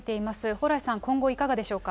蓬莱さん、今後、いかがでしょうか。